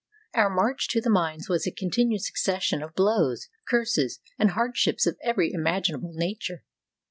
Our march to the mines was a continued succession of blows, curses, and hardships of every imaginable nature.